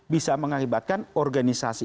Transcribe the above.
bisa mengakibatkan organisasi